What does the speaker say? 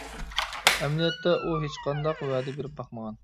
ئەمەلىيەتتە ئۇ ھېچقانداق ۋەدە بېرىپ باقمىغان.